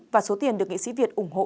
và số tiền được nghệ sĩ việt ủng hộ